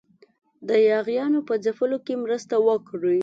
د یاغیانو په ځپلو کې مرسته وکړي.